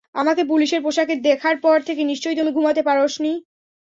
আমাকে পুলিশের পোশাকে দেখার পর থেকে, নিশ্চয়ই তুই ঘুমাতে পারিসনি।